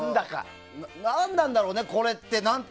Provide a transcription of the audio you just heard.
何なんだろうね、これって。